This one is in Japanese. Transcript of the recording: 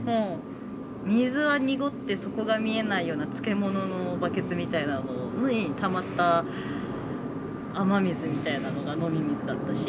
水は濁って、底が見えないような、漬物のバケツみたいなものに、たまった雨水みたいなのが飲み水だったし。